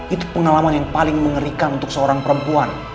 itu pengalaman yang paling mengerikan untuk seorang perempuan